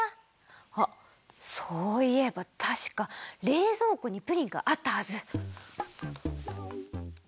あっそういえばたしかれいぞうこにプリンがあったはず。